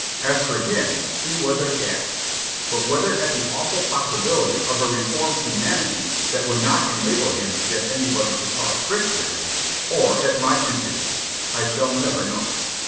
As for him, he was aghast but whether at the awful possibility of a reformed humanity that would not enable him to get anybody to toss bricks for him, or at my impudence, I shall never know.